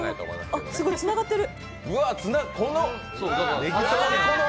すごい、つながってる。